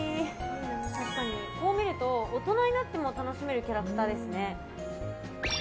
確かにこう見ると大人になっても楽しめるキャラクターですね。